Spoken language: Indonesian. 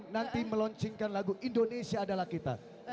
nanti meluncingkan lagu indonesia adalah kita